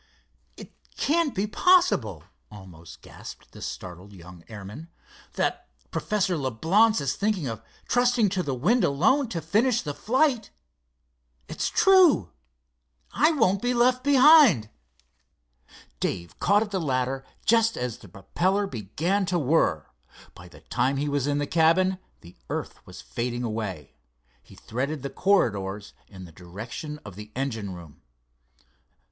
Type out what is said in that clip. "It can't be possible," almost gasped the startled young airman, "that Professor Leblance is thinking of trusting to the wind alone to finish the flight. It's true! I won't be left behind!" Dave caught at the ladder just as the propeller began to whir. By the time he was in the cabin the earth was fading away. He threaded the corridors in the direction of the engine room.